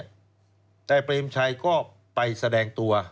เปรมชัยก็ไปแสดงตัว